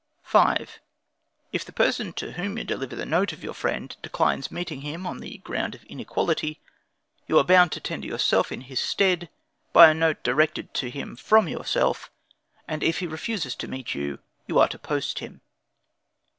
5. If the person to whom you deliver the note of your friend, declines meeting him on the ground of inequality, you are bound to tender yourself in his stead, by a note directed to him from yourself; and if he refuses to meet you, you are to post him.